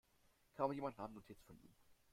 Kaum jemand nahm Notiz von ihm.